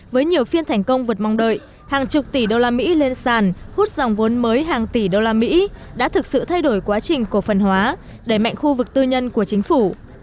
với nhiều phiên thành công vượt mong đợi hàng chục tỷ đô la mỹ lên sàn hút dòng vốn mới hàng tỷ usd đã thực sự thay đổi quá trình cổ phần hóa đẩy mạnh khu vực tư nhân của chính phủ